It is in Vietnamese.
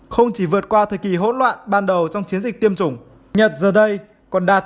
không chỉ vượt qua thời kỳ hỗn loạn ban đầu trong chiến dịch tiêm chủng nhật giờ đây còn đạt